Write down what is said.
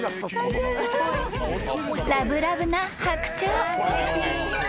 ［ラブラブな白鳥］